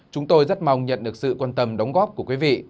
chúng tôi rất mong nhận được sự quan tâm đóng góp của quý vị